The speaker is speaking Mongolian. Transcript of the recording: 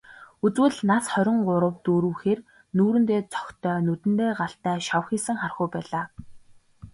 Үзвэл, нас хорин гурав дөрөв хэр, нүүрэндээ цогтой, нүдэндээ галтай, шавхийсэн хархүү байлаа.